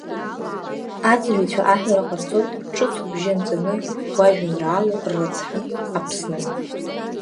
Аӡырыҩцәа аҳәара ҟарҵоит ҿыц убжьы анҵаны уажәеинраала Рыцҳа, Аԥсны!